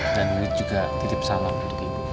dan wiwi juga tidip salam untuk ibu